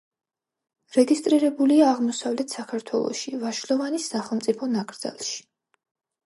რეგისტრირებულია აღმოსავლეთ საქართველოში, ვაშლოვანის სახელმწიფო ნაკრძალში.